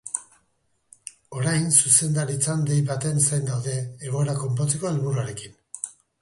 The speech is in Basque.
Orain, zuzendaritzan dei baten zain daude, egoera konpontzeko helburuarekin.